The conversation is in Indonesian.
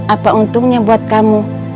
apa untungnya buat kamu